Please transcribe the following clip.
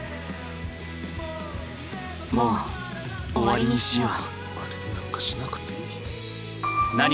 もう終わりにしよう。